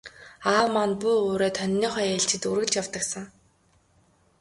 Аав маань буу үүрээд хониныхоо ээлжид үргэлж явдаг сан.